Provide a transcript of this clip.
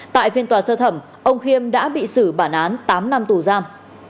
tại phiên tòa sơ thẩm ông khiêm đã bị xử bản án tám năm tù giam